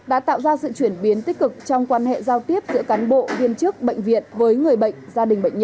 đã tạo ra sự chuyển biến tích cực trong quan hệ giao thông